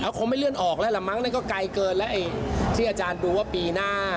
คงไม่เลื่อนออกแล้วล่ะมั้งนั่นก็ไกลเกินแล้วไอ้ที่อาจารย์ดูว่าปีหน้า